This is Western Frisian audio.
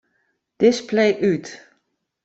Display út.